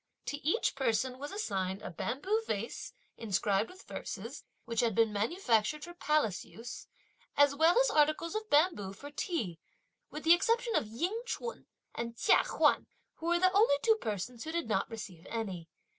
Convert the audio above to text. To each person was assigned a bamboo vase, inscribed with verses, which had been manufactured for palace use, as well as articles of bamboo for tea; with the exception of Ying ch'un and Chia Huan, who were the only two persons who did not receive any.